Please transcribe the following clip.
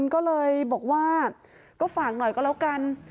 ก็เลยบอกว่าก็ฝากหน่อยก็แล้วกัน